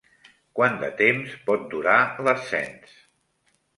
Quant de temps pot durar l'ascens?